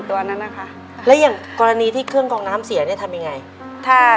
ในแคมเปญพิเศษเกมต่อชีวิตโรงเรียนของหนู